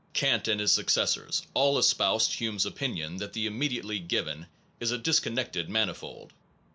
Kant and his successors all espoused Hume s opinion that the immediately given is a disconnected manifold.